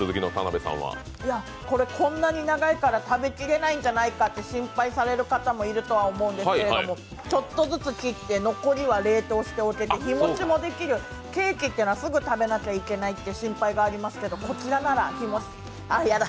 これ、こんなに長いから食べきれないんじゃないかと心配される方もいらっしゃると思うんですけどちょっとずつ切って残りは冷凍しておけて日もちもできる、ケーキというのはすぐ食べなきゃいけないという心配ありますけどこちらならあら、やだ。